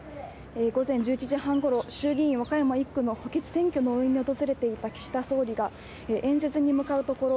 午前１１時半ごろ衆議院和歌山１区の補欠選挙の応援に訪れていた岸田総理が演説に向かうところ